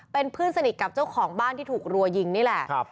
เป็นเพื่อนสนิทกับเจ้าของบ้านที่ถูกรัวยิงนี่แหละ